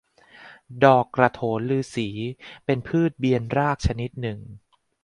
ดอกกระโถนฤๅษี เป็นพืชเบียนรากชนิดหนึ่ง